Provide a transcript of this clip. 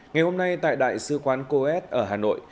ngày hôm nay tại đại sứ quán coes ở hà nội